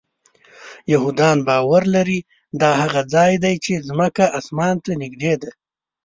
یهودان باور لري دا هغه ځای دی چې ځمکه آسمان ته نږدې ده.